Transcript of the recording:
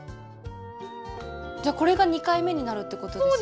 じゃあこれが２回目になるってことですね？